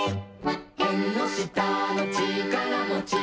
「えんのしたのちからもち」